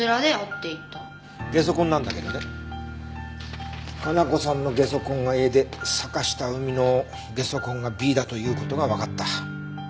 ゲソ痕なんだけどね可奈子さんのゲソ痕がＡで坂下海のゲソ痕がＢだという事がわかった。